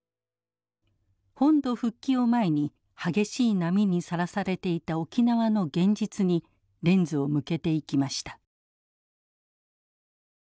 本土復帰を前に激しい波にさらされていた沖縄の現実にレンズを向けていきました。